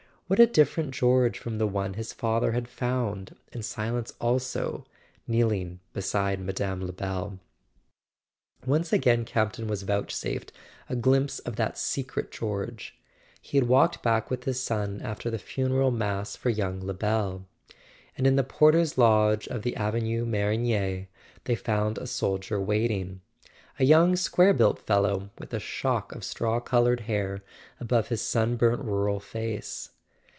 What a different George from the one his father had found, in silence also, kneeling beside Mme. Lebel! Once again Campton was vouchsafed a glimpse of that secret George. He had walked back with his son after the funeral mass for young Lebel; and in the porter's lodge of the Avenue Marigny they found a soldier waiting—a young square built fellow, with a shock of straw coloured hair above his sunburnt rural face.